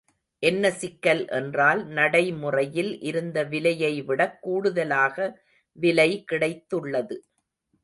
என்ன சிக்கல் என்றால் நடைமுறையில் இருந்த விலையைவிடக் கூடுதலாக விலை கிடைத்துள்ளது.